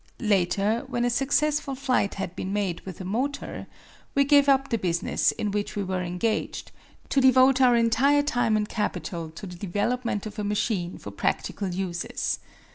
Later, when a successful flight had been made with a motor, we gave up the business in which we were engaged, to devote our entire time and capital to the development of a machine for practical uses.